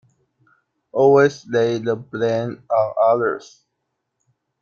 Always lay the blame on others!’